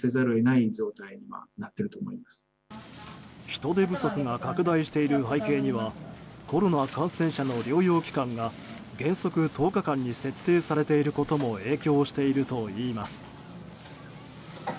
人手不足が拡大している背景にはコロナ感染者の療養期間が原則１０日間に設定されていることも影響しているといいます。